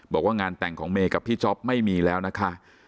บอกว่างานแต่งของเมย์กับพี่จ๊อปไม่มีแล้วนะคะ